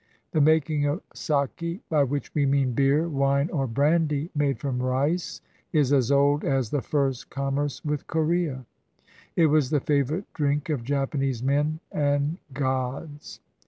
The making of sake, by which we mean beer, wine, or brandy made from rice, is as old as the first commerce with Corea . It was the favorite drink of Japanese men and gods.